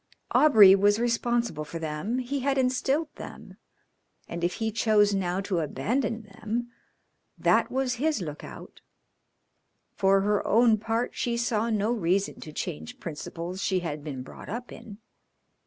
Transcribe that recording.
Aubrey was responsible for them, he had instilled them, and if he chose now to abandon them that was his look out. For her own part she saw no reason to change principles she had been brought up in.